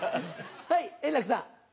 はい円楽さん。